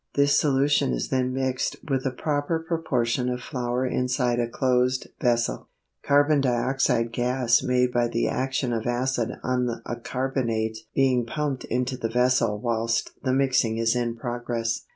This solution is then mixed with a proper proportion of flour inside a closed vessel, carbon dioxide gas made by the action of acid on a carbonate being pumped into the vessel whilst the mixing is in progress.